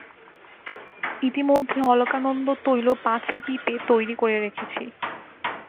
ইতিমধ্যে অলকানন্দা তৈল পাঁচ পিপে তৈরি করে রেখেছি।